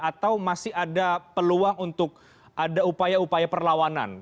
atau masih ada peluang untuk ada upaya upaya perlawanan